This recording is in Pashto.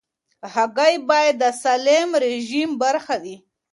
هګۍ باید د سالم رژیم برخه وي.